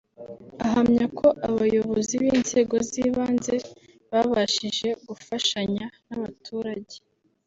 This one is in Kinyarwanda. Ahamya ko abayobozi b’inzego z’ibanze babashije gufashanya n’abaturage